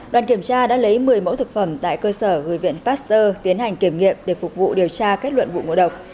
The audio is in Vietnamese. đoàn kiểm tra đã lấy một mươi mẫu thực phẩm tại cơ sở gửi viện pasteur tiến hành kiểm nghiệm để phục vụ điều tra kết luận vụ ngộ độc